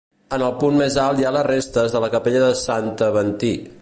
En el punt més alt hi ha les restes de la capella de Sant Aventí.